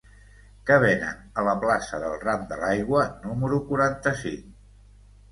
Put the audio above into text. Què venen a la plaça del Ram de l'Aigua número quaranta-cinc?